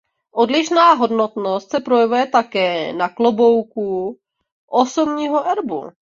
Odlišná hodnost se projevuje také na klobouku osobního erbu.